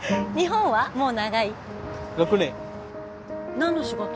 何の仕事？